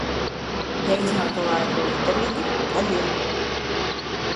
Ja izmanto laiku lietderīgi, tad ir.